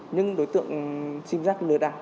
những đối tượng xin rắc lừa đả